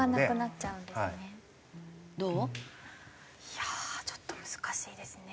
いやあちょっと難しいですね。